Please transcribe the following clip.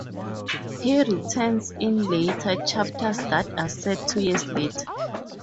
He returns in later chapters that are set two years later.